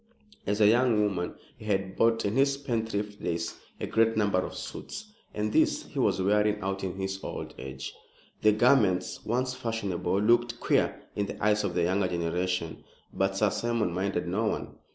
As a young man he had bought, in his spendthrift days, a great number of suits, and these he was wearing out in his old age. The garments, once fashionable, looked queer in the eyes of a younger generation; but Sir Simon minded no one.